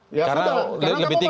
karena lebih tinggi daripada pesunyian